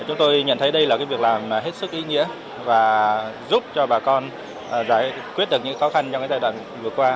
chúng tôi nhận thấy đây là việc làm hết sức ý nghĩa và giúp cho bà con giải quyết được những khó khăn trong giai đoạn vừa qua